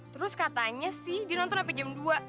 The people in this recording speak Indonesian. terus katanya sih dia nonton sampe jam dua